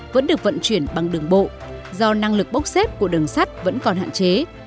vẫn được vận chuyển bằng đường bộ do năng lực bốc xếp của đường sắt vẫn còn hạn chế